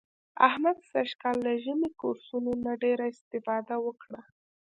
احمد سږ کال له ژمني کورسونو نه ډېره اسفاده وکړه.